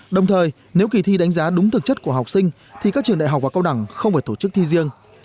đồng thời nếu kỳ thi đánh giá đúng thực chất của học sinh thì các trường đại học và cao đẳng không phải tổ chức thi riêng